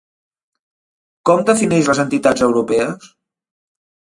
Com defineix les entitats europees?